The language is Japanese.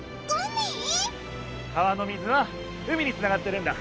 川の水は海につながってるんだ。